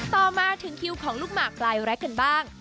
ต่อมาถึงคิวของลูกหมากปลายแร็กกันบ้าง